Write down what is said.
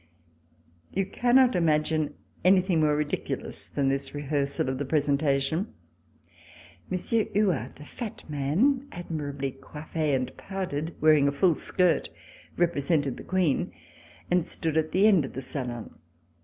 You cannot imagine anything more ridiculous than this rehearsal of the presenta tion. Monsieur Huart, a fat man, admirably coiffe RECOLLECTIONS OF THE REVOLUTION and powdered, wearing a full skirt, represented the Queen and stood at the end of the salon.